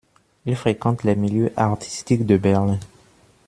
Il fréquente les milieux artistiques de Berlin.